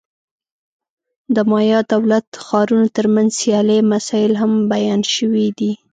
د مایا دولت-ښارونو ترمنځ سیالۍ مسایل هم بیان شوي دي.